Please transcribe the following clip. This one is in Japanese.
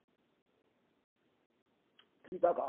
「聞いたか？